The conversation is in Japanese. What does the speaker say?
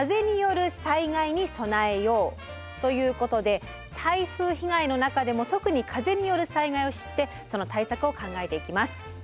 ということで台風被害の中でも特に風による災害を知ってその対策を考えていきます。